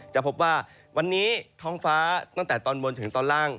จะพบว่าวันนี้ท้องฟ้าตั้งแต่ตอนบนถึงตอนล่าง